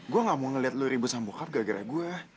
gue nggak mau ngeliat lu ribut sama bokap gagaran gue